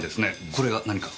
これが何か？